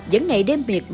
vẫn ngày đêm biệt mạng